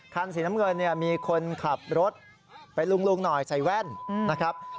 คันสีน้ำเงินเนี่ยมีคนขับรถเป็นลุงหน่อยใส่แว่นนะครับ